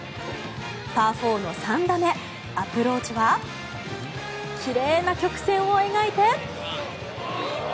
パー４の３打目アプローチは奇麗な曲線を描いて。